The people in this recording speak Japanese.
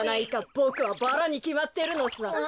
ボクはバラにきまってるのさ。